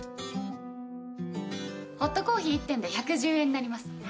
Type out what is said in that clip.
ホットコーヒー１点で１１０円になります。